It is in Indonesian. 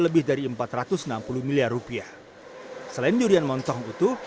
pembangunan durian ekspor